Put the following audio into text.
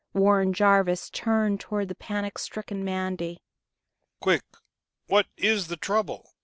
Warren Jarvis turned toward the panic stricken Mandy. "Quick! What is the trouble?